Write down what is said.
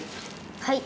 はい。